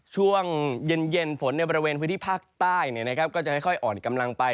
ช่วงเย็นฝนในบริเวณพื้นที่ภาคใต้ก็จะค่อยอ่อนกำลังไป